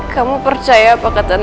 kamu percaya apa kata